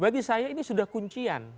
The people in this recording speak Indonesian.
bagi saya ini sudah kuncian